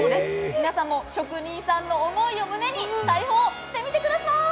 皆さんも職人さんの思いを胸に裁縫してみてください！